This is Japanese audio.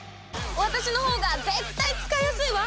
私の方が絶対使いやすいわ！